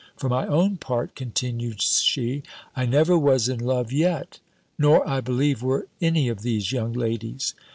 For my own part," continued she, "I never was in love yet, nor, I believe, were any of these young ladies."